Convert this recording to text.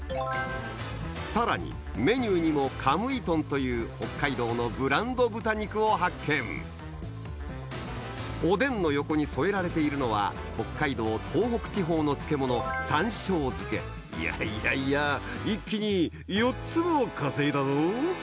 さらにメニューにもという北海道のブランド豚肉を発見おでんの横に添えられているのは北海道東北地方の漬物いやいやいや一気に４つも稼いだぞ